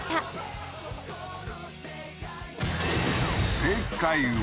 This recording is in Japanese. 正解は？